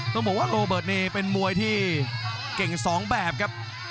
ต้องบอกว่าโรเบิร์ตนี่เป็นมวยที่เก่งสองแบบครับ